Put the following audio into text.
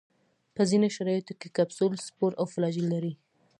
په ځینو شرایطو کې کپسول، سپور او فلاجیل لري.